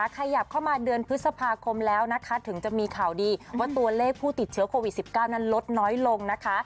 ขยับเข้ามาเดือนพฤษภาคมแล้วนะคะถึงจะมีข่าวดีว่าตัวเลขผู้ติดเชื้อโควิด๑๙นั้นลดน้อยลงนะคะ